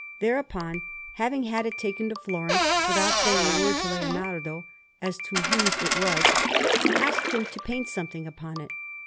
Thereupon, having had it taken to Florence, without saying a word to Leonardo as to whose it was, he asked him to paint something upon it.